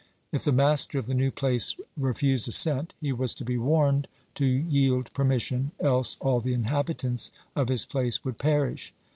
If the master of the new place refused assent, he was to be warned to yield permission, else all the inhabitants of his place would perish.